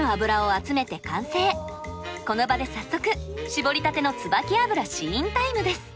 この場で早速搾りたてのつばき油試飲タイムです。